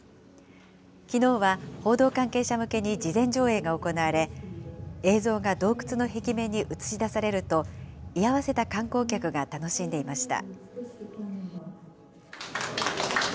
きのうは、報道関係者向けに事前上映が行われ、映像が洞窟の壁面に映し出されると、居合わせた観光客が楽しんでいました。